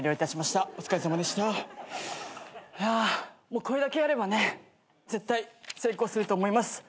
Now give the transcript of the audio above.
もうこれだけやればね絶対成功すると思います。